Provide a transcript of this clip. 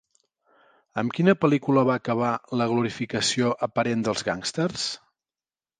Amb quina pel·lícula va acabar la glorificació aparent dels gàngsters?